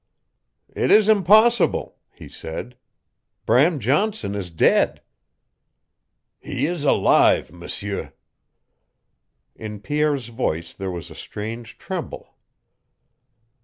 "It is impossible," he said. "Bram Johnson is dead!" "He is alive, M'sieu." In Pierre's voice there was a strange tremble.